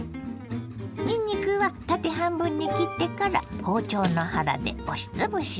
にんにくは縦半分に切ってから包丁の腹で押しつぶします。